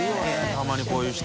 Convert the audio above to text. たまにこういう人。